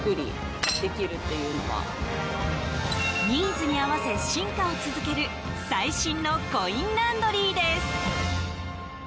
ニーズに合わせ進化を続ける最新のコインランドリーです。